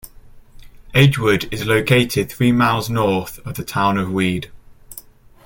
Edgewood is located three miles north of the town of Weed.